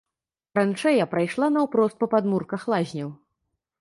Траншэя прайшла наўпрост па падмурках лазняў.